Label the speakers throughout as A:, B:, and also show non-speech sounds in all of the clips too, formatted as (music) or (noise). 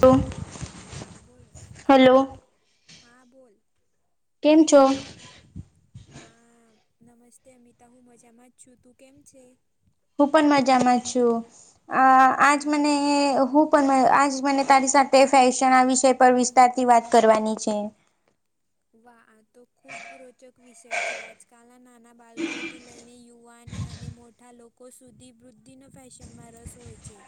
A: તું.
B: હા, બોલો, હા બોલ.
A: કેમ છો?
B: હા નમસ્તે, અમિતા હું મજામાં જ છું. તું કેમ છે?
A: હું પણ મજામાં છું. અ આજ મને
B: વાહ
A: હું પણ આજ મને તારી સાથે ફેશન આ વિષય પર વિસ્તારથી વાત કરવાની છે.
B: વાહ! આ તો ખુબ રોચક વિષય છે, આજકાલના નાના બાળકોથી લઈને યુવાને. અને મોટા લોકો સુધી વૃદ્ધિના ફેશનમાં રસ હોય છે.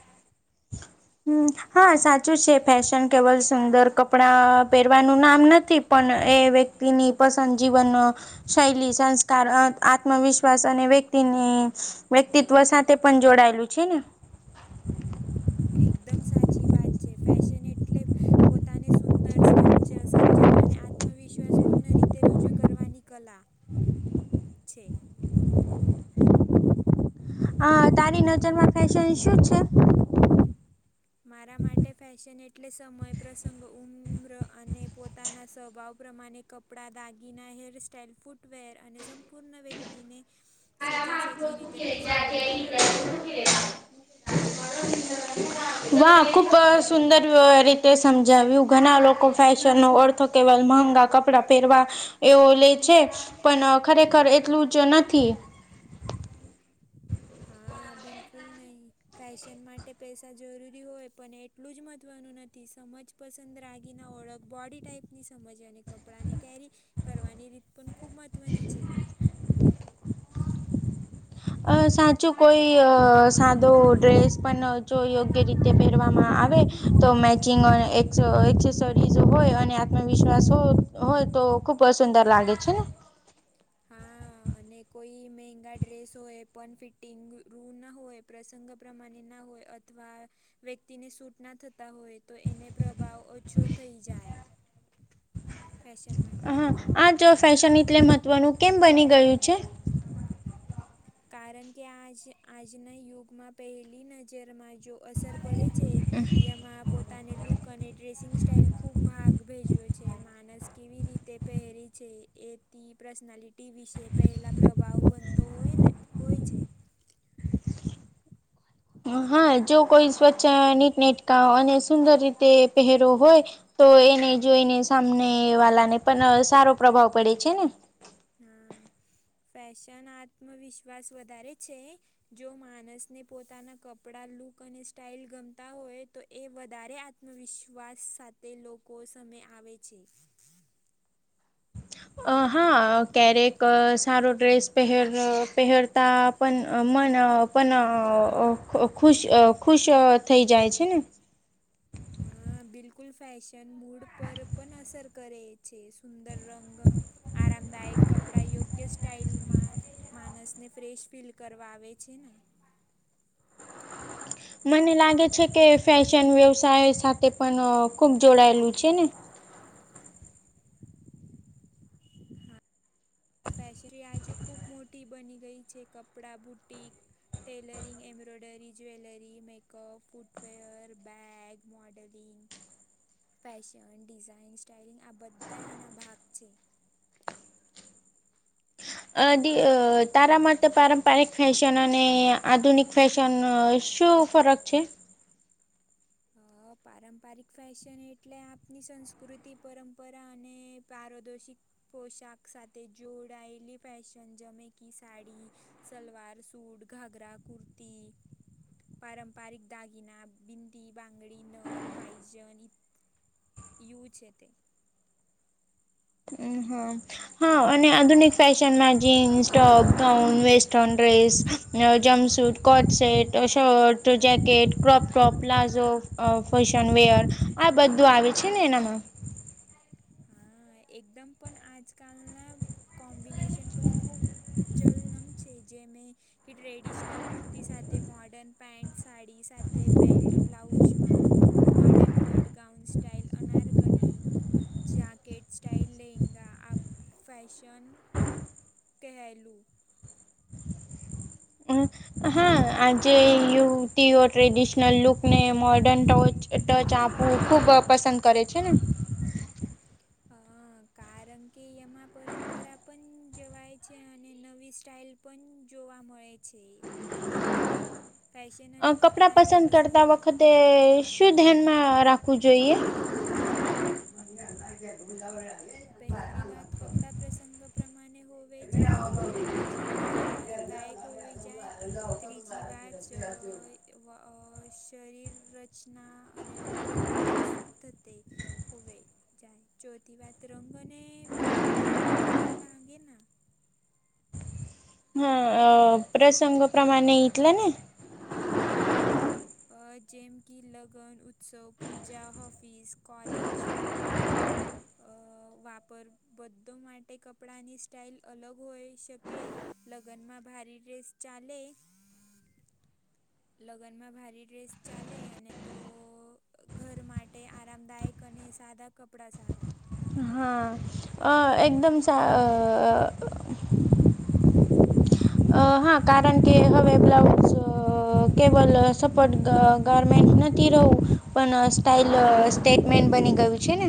A: (unintelligible) હમ, હા, સાચું છે, ફેશન કેવલ સુંદર કપડાં પહેરવાનું નામ નથી. પણ એ વ્યક્તિની પસંદ જીવનનો શૈલી સંસ્કાર, આત્મવિશ્વાસ અને વ્યક્તિની વ્યક્તિત્વ સાથે થે પણ જોડાયેલું છે ને.
B: હ, એકદમ સાચી વાત છે, ફેશન એટલે પોતાને સુંદર સ્વચ્છ સજ્જન અને આત્મવિશ્વાસ પૂર્ણ રીતે રુજૂ કરવાની કલા. છે.
A: હ, તારી નજરમાં ફેશન શું છે?
B: મારા માટે ફેશન એટલે સમય પ્રસંગ ઉમ્ર અને પોતાના સ્વભાવ પ્રમાણે. કપડાં, દાગીના, હેરસ્ટાઈલ, ફૂટવેર અને સંપૂર્ણ વ્યક્તિને સજા સજી રીતે પ્રસ્તુત કરવાનું છે.
A: વાહ ખૂબ સુંદર રી તે સમજાવ્યું, ઘણા લોકો ફેશન નો અર્થ કેવલ મહગા કપડા પહેરવા એવો લે છે, પણ ખરેખર એટલું જ નથી.
B: હા, બિલકુલ નહી. ફેશન માટે પૈસા જરૂરી હોય, પણ એટલું જ મહત્વનું નથી સમજ. પસંદ રાગીના ઓળખ, બોડી ટાઈપ ની સમજવાની. કપડાંને, કેરી કરવાની રીત પણ ખૂબ મહત્ત્વની છે.
A: અ સાચું, કોઈ અ સાદો ડ્રેસ પણ જો યોગ્ય રીતે પહેરવામાં આવે, તો મેચિંગ એક્સેસરીઝ હોય અને આત્મવિશ્વાસ હો હોય, તો ખુબ સુંદર લાગે છે ને. (unintelligible)
B: હા અને કોઈ મહેંગા ડ્રેસ હોય, પણ ફિટિંગ રું ના હોય, પ્રસંગ પ્રમાણે ના હોય. અથવા. વ્યક્તિને સૂટ ના થતા હોય, તો એને પ્રભાવ ઓછો થઈ જાય. ફેશન માટે.
A: હા આ જો ફેશન એટલે મહત્વનું કેમ બની ગયું છે.
B: કારણ કે, આજ આજના યુગમાં પહેલી નજરમાં જો અસર પડે છે, એમાં પોતાને લુક અને ડ્રેસિંગ સ્ટાઇલ ખૂબ ભાગ ભેજવે છે, માણસ કેવી રીતે પહેરી છે એ. તે પર્સનાલિટી વિશે પહેલાં પ્રભાવ બનતો હોય ને, હોય છે.
A: હા, જો કોઈ સ્વચ્છ નીટનેટકા, અને સુંદર રીતે પહેરો હોય. તો એને જોઈને, સામને વાલા ને, પણ સારો પ્રભાવ પડે છે ને.
B: હા, ફેશન આત્મવિશ્વાસ વધારે છે. જો માણસને પોતાના કપડા લુક અને સ્ટાઇલ ગમતા હોય તો. એ વધારે આત્મવિશ્વાસ સાથે લોકો સામે આવે છે.
A: અ હા, ક્યારેક સારો ડ્રેસ પહેર પહેરતા. પણ મન પણ ખુશ અ ખુશ થઈ જાય છે ને.
B: હા, બિલકુલ ફેશન મૂડ પર પણ અસર કરે. છે, સુંદર રંગ આરા મદાયક કપડા યોગ્ય સ્ટાઈલમાં માણસને ફ્રેશ ફીલ કરવા આવે છે ને?
A: મને લાગે છે કે ફેશન વ્યવસાય સાથે પણ ખૂબ જોડાયેલું છે ને?
B: હા. આ ફેેશરી આજે ખૂબ મોટી બની ગઈ છે. કપડાં, boutique tailoring, embroidery, jewellery, makeup, footwear bag modelling fashion, design styling આ બધા એના ભાગ છે.
A: અ દી અ તારા માટે પારંપરિક ફેશન અને આધુનિક ફેશન શું ફરક છે?
B: પારંપરિક ફેશન એટલે આપની સંસ્કૃતિ પરંપરા અને પારદોષિક પોશાક સાથે જોડાયેલી ફેશન જેમે કે સાડી સલવાર-સૂટ, ઘાઘરા, કુર્તી, પારંપરિક દાગિના બિન ટી બંગડી નદ પાયજન ઇ છે છે તે.
A: (inaudible) હા અને આધુનિક ફેશનમાં jeans, top gown, western dress, jumpsuit coat set, shirt, jacket, crop top, palazzo અ ફેશન વેર આ બધું આવે છે ને એનામાં?
B: હા, એકદમ પણ આજકાલના કોમ્બિનેશન પણ ખૂબ ચલનમ છે જે મે કે ટ્રેડિશનલ કુર્તી સાથે મોર્ડર્ન પેન્ટ સાડી સાથે બેલ્ટ બ્લાઉજમાં modern cut gown style anarkali jacket style lehenga આબ ફૅશન કહેલું.
A: હમ. હા આજે યુતીઓ ટ્રેડિશનલ લુક ને મોર્ડર્ન ટ ટચ આપવું ખુબ પસંદ કરે છે ને?
B: હ કારણ કે એમાં પરંપરા પણ જવાય છે અને નવી સ્ટાાઈલ પણ જોવા મળે છે એટલે. ફેશન અને કપડાંની પસંદ.
A: તે શું ધ્યાનમાં રાખવું જોઈએ? (inaudible)
B: પહેલી વાત કપડા પ્રસંગ પ્રમાણે હોવે જાય તો બી જી વાત આરામદાયક હોવી જાય ત્રીજી વાત શરીર રચ અને ઉમરા પ્રમાણે શુધ થતે હોવે જાય. ચોથી વાત તરંગને યોગ્ય હોય લાગે.
A: હા પ્રસંગ પ્રમાણે ઈટલે ને?
B: અ જેમ કે લગ્ન, ઉત્સવ, પૂજા, ઓફિસ, કોલેજ, પાર્ટી વાપર બધો માટે કપડાંની સ્ટાઇલ અલગ હોય શકે. લગ્ન માં ભારી રેસ ચાલે. લગ્નમાં ભારે ડ્રેસ ચાલે અને તો ઘર માટે આરામદાયક અને સાદા કપડા સારા.
A: હા અ એકદમ અ હા કારણ કે હવે બ્લાઉઝ કેવલ સપોર્ટ ગર્મેન્ટ નથી રહું પણ સ્ટાઇલ સ્ટેટમેન બની ગયું. છેને.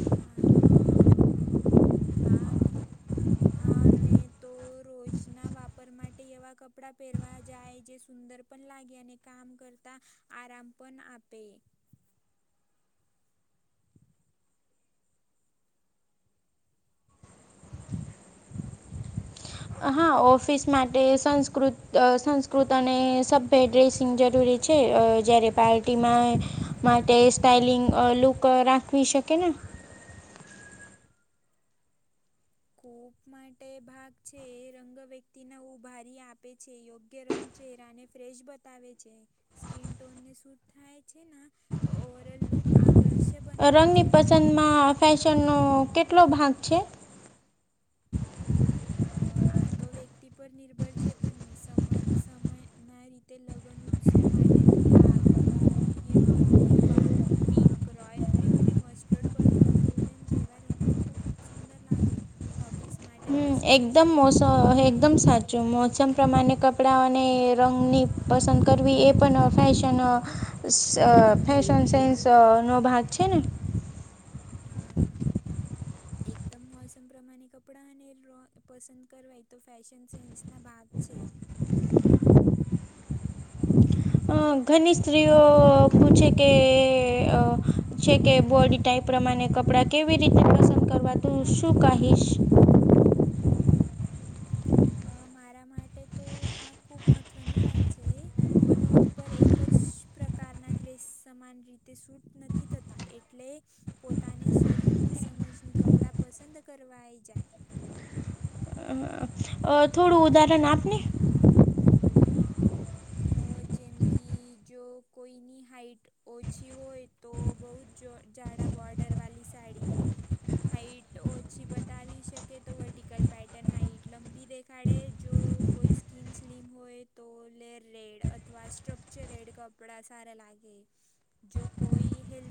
B: હા, હા, અને હા, તો રોજના વાપરે, માટે એવા કપડા પહેરવા જાય, જે સુંદર પણ લાગે, અને કામ કરતા આરામ પણ આપે. (unintelligible)
A: હા, ઓફિસ માટે સંસ્કૃત, સંસ્કૃત અને સભ્ય ડ્રેસિંગ જરૂરી છે. છે, જયારે પાર્ટીમાં માટે સ્ટાઈલિંગ લુક રાખવી શકે ને.
B: કૂપ માટે ભાગ છે, એ રંગ વ્યક્તિને ઉભારી આપે છે યોગ્ય. ગરમ ચહેરાને ફ્રેશ બતાવે છે, સ્કીન ટોનને સૂટ થાય છે. તો ઓવરલ લુક આ કરશે.
A: રંગની પસંદમાં ફેશનનો કેટલો ભાગ છે. (unintelligible)
B: આ તો વ્યક્તિ પર નિર્ભર છે, પણ સમ સમય ના રીતે લગ્ન ઉત્સવ માટે તે તો લાલ મરચું હીર વો હિરવા. પિંક રોયલ બ્લ્યુ, અને મસ્ટર પર્પલ ગોલ્ડન જેવા રંગ ખૂબ સુંદર લાગે, ઓફિસ માટે
A: હમ
B: બેસ્ટ
A: એકદમ મોસમ, એકદમ સાચું
B: વ્હાઈટ
A: મોસમ. પ્રમાણે કપડા અને રંગની પસંદ કરવી એ, પણ ફેશન અ શ અ ફશન સેન્સ નો ભાગ છે ને.
B: હમ, હમ.
A: (unintelligible)
B: એકદમ, મોસમ પ્રમાણને કપડાં અને રો પસંદ કરવાય તો, ફેશન સેન્સ ના ભાગ છે.
A: અ ઘની સ્ત્રીઓ પૂછે કે, અ છે કે, બોડી ટાઈપ પ્રમાણે કપડા કેવી રીતે પસંદ કરવા તું શું કાઢીશ.
B: અ મારા માટે તો આ ખૂબ મહત્વની વાત છે. બધું ઉપર એક જ પ્રકારના ડ્રેસ શ સમાન રીતે સૂટ નથી થતા, એટલે. પોતાને શરીરની સમજની કપડાં પસંદ કરવાઈ જાય.
A: અ થોડું ઉદાહરણ આપને.
B: અ જેમ કી જો કોઈની હાઈટ. ઓછી હોય તો, બહુ જ જો જાડા બોર્ડર વાલી સાડી. હાઈટ ઓછી બતાવી શકે, તો વર્ટિકલ પેટર્ન હાઈટ લંબી દેખાડે જો. કોઈ સ્કીન સ્લીમ હોય તો લેર. રેડ અથવા સ્ટ્રક્ચ, રેડ કપડા સારા લાગે, જો કોઈ હેલ.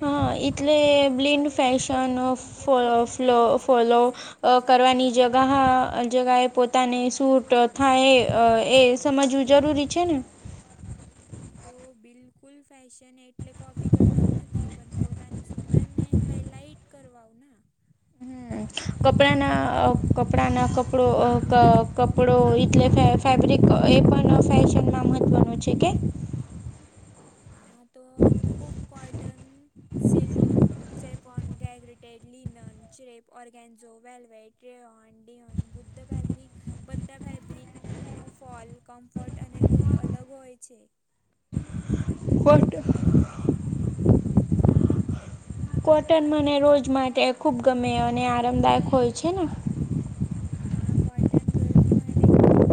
A: હા, એટલે બ્લીન્ડ
B: કમ્ફર્ટેબલ
A: ફેશન
B: ફિટિંગ યોગ્ય
A: ફ
B: ફોલ અને
A: ફલો
B: બેલેન્સવાળા
A: ફોલો.
B: ડિઝાઇન
A: અ
B: ખૂબ સારા
A: કરવાની
B: લાગે.
A: જગા હા. જગાએ પોતાને સૂટ થાય, એ સમજવું જરૂરી છે ને. (unintelligible)
B: તો બિલકુલ, ફેશન એટલે કોપી કરવાનું નથી, પણ પોતાની શ સુંદરને હાાઈલાઇટ કરવાઓ ના.
A: હમ કપડાના આ કપડાના કપડ ક કપડો એટલે. ફેબ્રિક એ પણ ફેશન મહત્વ છે કે.
B: હા, તો ખૂબ કોટન સિલ્ક. ચેપ ઓન ગેગ્રેટેડ લિનન, ચિરેપ, ઓર્ગેન્ઝો, વેલ્વેટ ટ્રે ઓન બુદ્ધ. ફેબ્રિક બધા, ફેબ્રિકનો ફોલ કમ્ફર્ટ અને લૂક અલગ હોય છે.
A: (unintelligible) કોટન મને રોજ માટે ખુબ ગમે અને આરામદાયક હોય છે ને
B: હા કોટન ગરમી માટે ખુબ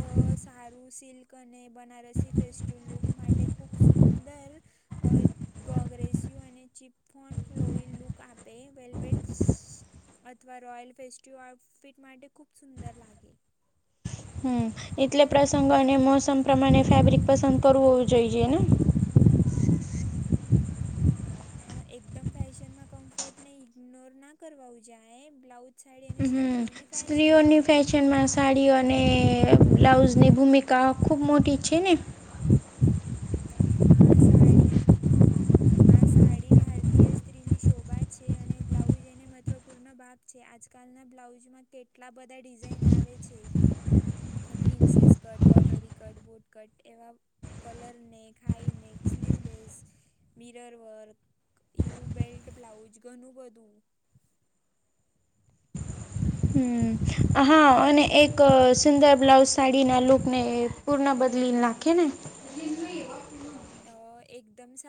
B: અ સારું સિલ્ક અને બનારસી ફેસ્ટિવ લૂક માટે ખૂબ સુંદર અ ગોગ્રેસિવ અને ચિપફોન ફ્લોઈ લુક આપે વેલ્વેટસ અ અથવા રોયલ ફેસ્ટીવ આઉટ ફીટમાટે ખૂબ સુંદર લાગે.
A: હમ્મ એટલે પ્રસંગ અને મોસમ પ્રમાણે ફેબ્રિક પસંદ કરવું જોઈએ ને
B: હા એકદમ ફેશનમાં કમ્ફર્ટ ને ઇગ્નોર ના કરવા ઉ‌ જાય બ્લાઉઝ સાડી અને
A: હમ
B: સ્ત્રીઓની ફેશન
A: સ્ત્રીઓની
B: હોય
A: ફેસ શન માં સાડી ઓ અને બ્લાઉઝ ની ભૂમિકા ખુબ મોટી છે ને
B: હા સાડી
A: (inaudible)
B: હા સાડી ભારતીય સ્ત્રીની શોભા છે અને બ્લાઉઝ એને મહત્વપૂર્ણ ભાગ છે આજકાલના બ્લાઉઝમાં કેટલા બધા ડિઝાઇન આવે છે.
A: (inaudible)
B: પ્રિન્સેસ કટ, કટોરી કટ, બુટ કટ, એવા કલરને high neck sleeveless mirror work U belt blouse ઘનુ બધું
A: હા અને એક અ એક સુંદર બ્લાઉઝ સાડીના લૂકને પૂર્ણ બદલીને નાખે ને
B: અ એકદમ સાર